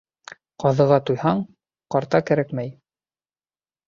Ҡаҙыға туйһаң, ҡарта кәрәкмәй.